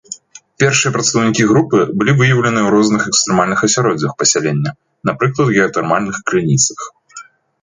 Першыя прадстаўнікі групы былі выяўленыя ў розных экстрэмальных асяроддзях пасялення, напрыклад геатэрмальных крыніцах.